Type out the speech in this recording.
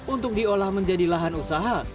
untuk diolah menjadi lahan usaha